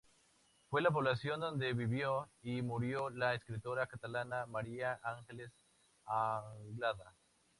Fue la población donde vivió y murió la escritora catalana Maria Àngels Anglada.